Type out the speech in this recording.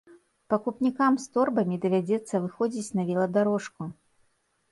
Пакупнікам з торбамі давядзецца выходзіць на веладарожку.